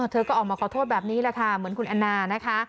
เธอก็ออกมาขอโทษแบบนี้แหละค่ะเหมือนคุณแอนนานะคะ